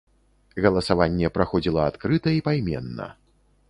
Галасаванне праходзіла адкрыта і пайменна.